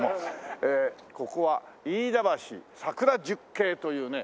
ここは飯田橋桜十景というね。